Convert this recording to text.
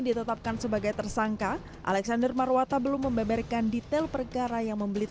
ditetapkan sebagai tersangka alexander marwata belum membeberkan detail perkara yang membelit